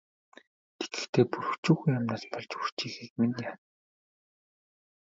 Тэгэхдээ бүр өчүүхэн юмнаас болж үрчийхийг минь яана.